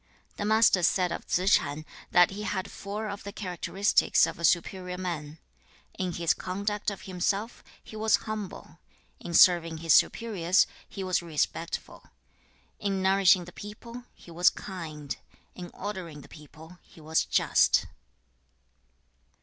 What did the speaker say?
The Master said of Tsze ch'an that he had four of the characteristics of a superior man: in his conduct of himself, he was humble; in serving his superiors, he was respectful; in nourishing the people, he was kind; in ordering the people, he was just.'